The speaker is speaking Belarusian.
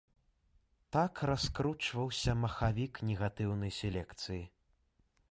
Так раскручваўся махавік негатыўнай селекцыі.